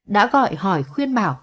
đã gọi hỏi khuyên bảo